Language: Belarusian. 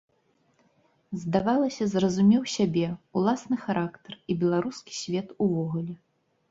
Здавалася, зразумеў сябе, уласны характар і беларускі свет увогуле.